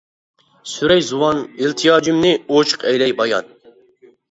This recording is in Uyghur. سۈرەي زۇۋان ئىلتىجايىمنى ئوچۇق ئەيلەي بايان.